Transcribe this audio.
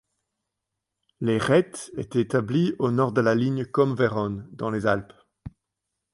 Les Rhètes étaient établis au nord de la ligne Côme-Vérone dans les Alpes.